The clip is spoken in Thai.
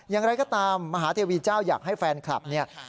อย่างไรก็ตามมหาเทวีเจ้าอยากให้แฟนคลับเนี่ย